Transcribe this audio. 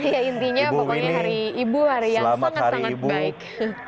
ya intinya pokoknya hari ibu hari yang sangat sangat baik